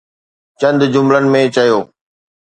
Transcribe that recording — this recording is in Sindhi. چند جملن ۾ چيو.